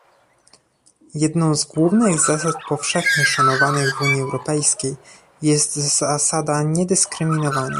Jedną z głównych zasad powszechnie szanowanych w Unii Europejskiej jest zasada niedyskryminowania